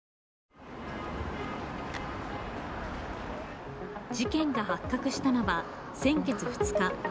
わかるぞ事件が発覚したのは先月２日。